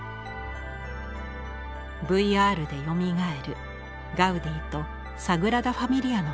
ＶＲでよみがえるガウディとサグラダ・ファミリアの物語です。